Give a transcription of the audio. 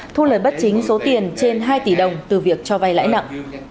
thu lời bất chính số tiền trên hai tỷ đồng từ việc cho vay lãi nặng